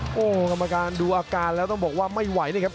โอ้โหกรรมการดูอาการแล้วต้องบอกว่าไม่ไหวนะครับ